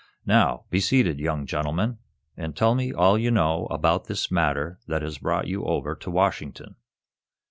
"Now, be seated, young gentlemen, and tell me all you know about this matter that has brought you over to Washington."